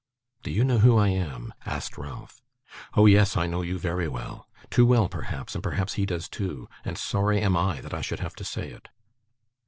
'Do you know who I am?' asked Ralph. 'Oh yes, I know you very well; too well, perhaps, and perhaps he does too, and sorry am I that I should have to say it.